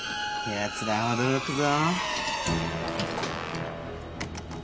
やつら驚くぞ。